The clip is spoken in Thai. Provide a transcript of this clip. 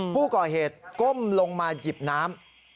ผู้ก่อเหตุก้มลงมาหยิบน้ำ